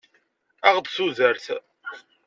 Aɣ-d tudert!